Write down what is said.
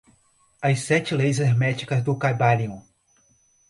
As sete leis herméticas do caibalion